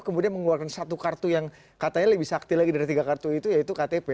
kemudian mengeluarkan satu kartu yang katanya lebih sakti lagi dari tiga kartu itu yaitu ktp